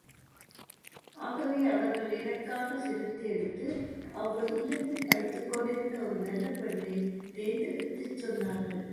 ஆகவே அவர்கள் எனக்காக சிரத்தை எடுத்து ஒளவை இல்லத்தில் படித்துக் கொண்டிருந்த ஒரு நல்ல பெண்ணைத் தேர்ந்தெடுத்துச் சொன்னார்கள்.